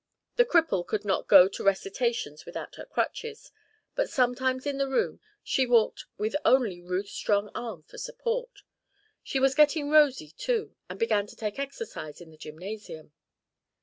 The cripple could not go to recitations without her crutches, but sometimes in the room she walked with only Ruth's strong arm for support. She was getting rosy, too, and began to take exercise in the gymnasium.